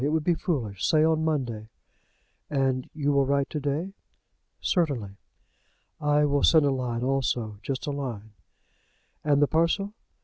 It would be foolish. Say on Monday." "And you will write to day?" "Certainly." "I will send a line also, just a line." "And the parcel?"